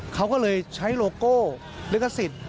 เขาก็เลยใช้โลโก้ลิขสิทธิ์